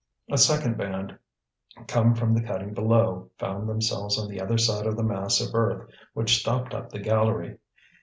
A second band, come from the cutting below, found themselves on the other side of the mass of earth which stopped up the gallery.